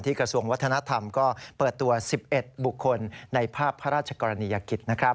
กระทรวงวัฒนธรรมก็เปิดตัว๑๑บุคคลในภาพพระราชกรณียกิจ